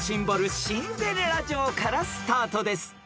シンデレラ城からスタートです］